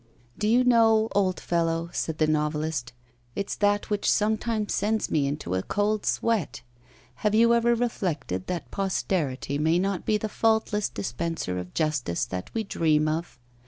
'Do you know, old fellow,' said the novelist, 'it's that which sometimes sends me into a cold sweat. Have you ever reflected that posterity may not be the faultless dispenser of justice that we dream of?